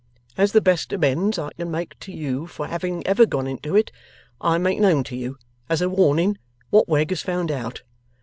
As the best amends I can make you for having ever gone into it, I make known to you, as a warning, what Wegg has found out.